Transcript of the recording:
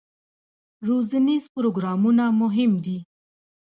روزنیز پروګرامونه مهم دي